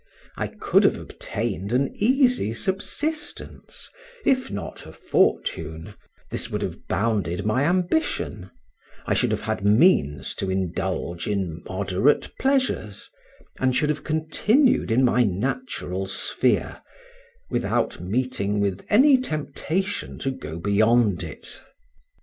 I could have obtained an easy subsistence, if not a fortune; this would have bounded my ambition; I should have had means to indulge in moderate pleasures, and should have continued in my natural sphere, without meeting with any temptation to go beyond it.